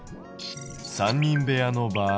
３人部屋の場合。